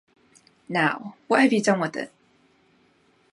Now, what have you done with it?